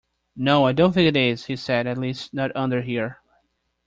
‘No, I don’t think it is,’ he said: ‘at least—not under here’.